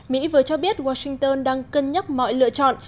mỹ vừa cho biết washington đang cân nhắc mọi lựa chọn